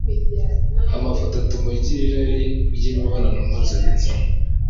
amafoto atuma ugira irari ry'imibonano mpuzabitsina